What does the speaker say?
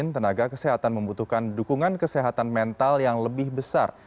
tenaga kesehatan membutuhkan dukungan kesehatan mental yang lebih besar